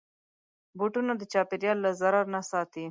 بوټونه د چاپېریال له ضرر نه ساتي.